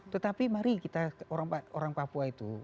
tetapi mari kita orang papua itu